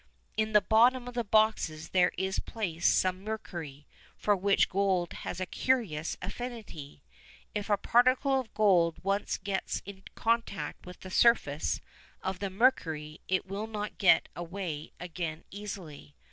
In the bottom of the boxes there is placed some mercury, for which gold has a curious affinity. If a particle of gold once gets into contact with the surface of the mercury it will not get away again easily.